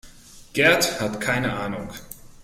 Gerd hat keine Ahnung.